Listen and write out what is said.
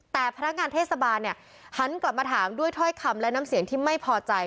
แต่พนักงานเทศบาลเนี่ยหันกลับมาถามด้วยถ้อยคำและน้ำเสียงที่ไม่พอใจ